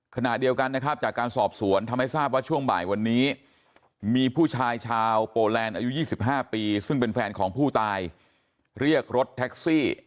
ขณะเดียวกันนะครับจากการสอบสวนทำให้ทราบว่าช่วงบ่ายวันนี้มีผู้ชายชาวโปแลนด์อายุ๒๕ปีซึ่งเป็นแฟนของผู้ตายเรียกรถแท็กซี่